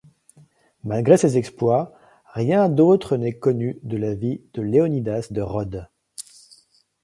Malgré ses exploits, rien d'autre n'est connu de la vie de Léonidas de Rhodes.